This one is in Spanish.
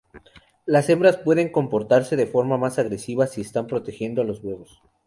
Las hembras pueden comportarse de forma más agresiva si están protegiendo a los huevos.